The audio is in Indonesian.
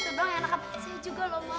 perkenalkan nama saya ella